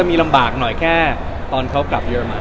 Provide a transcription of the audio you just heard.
มีลำบากกันเขากลับเยอร์มาน